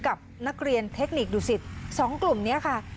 กับนักเรียนเทคนิคดุสิต๒กลุ่มนี้ค่ะ